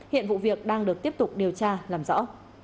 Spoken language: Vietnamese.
hiện vụ việc đang được tiếp tục điều tra làm rõ